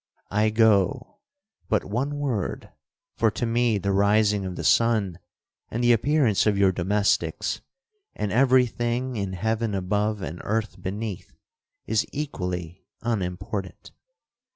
'—'I go—but one word—for to me the rising of the sun, and the appearance of your domestics, and every thing in heaven above, and earth beneath, is equally unimportant.